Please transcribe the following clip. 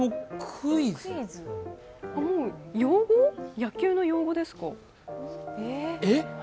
野球の用語ですか？